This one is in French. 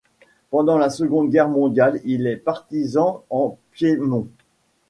Pendant la seconde guerre mondiale, il est partisan en Piémont.